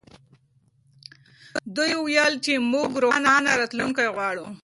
دوی وویل چې موږ روښانه راتلونکې غواړو.